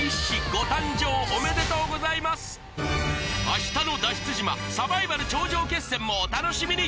明日の脱出島サバイバル頂上決戦もお楽しみに！